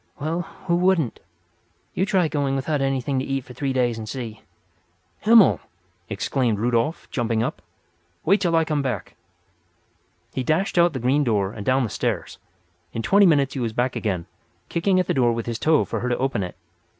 "Well, who wouldn't? You try going without anything to eat for three days and see!" "Himmel!" exclaimed Rudolf, jumping up. "Wait till I come back." He dashed out the green door and down the stairs. In twenty minutes he was back again, kicking at the door with his toe for her to open it.